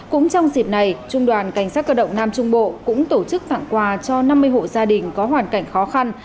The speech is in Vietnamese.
cũng trong dịp này trung đoàn cảnh sát cơ động nam trung bộ cũng tổ chức tặng quà cho năm mươi hộ gia đình có hoàn cảnh khó khăn